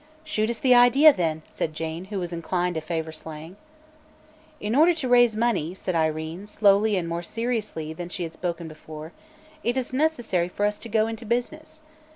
"Shoot us the idea, then," said Jane, who was inclined to favor slang. "In order to raise money," said Irene, slowly and more seriously than she had before spoken, "it is necessary for us to go into business.